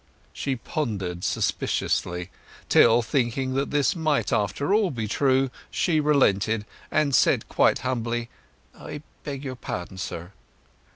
She pondered suspiciously, till, thinking that this might after all be true, she relented, and said quite humbly, "I beg your pardon, sir."